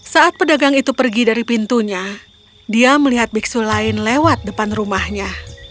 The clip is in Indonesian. saat pedagang itu pergi dari pintunya dia melihat biksu lain lewat depan rumahnya